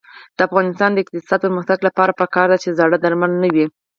د افغانستان د اقتصادي پرمختګ لپاره پکار ده چې زاړه درمل نه وي.